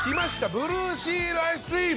ブルーシールアイスクリーム。